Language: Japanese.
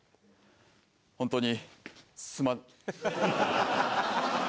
本当にすま。